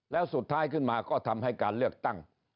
แล้วสุดท้ายขึ้นมาก็ทำให้การเลือกตั้ง